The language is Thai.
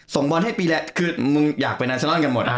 ส่งบอลให้ปีแรกคืออยากไปนาชนัลกันหมด